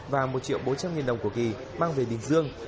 và một triệu bốn trăm linh nghìn đồng của kỳ mang về bình dương